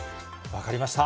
分かりました。